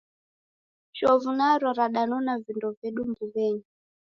Chovu naro radanona vindo vedu mbuw'enyi.